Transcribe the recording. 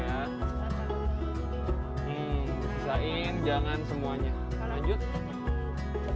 sisain jangan semuanya lanjut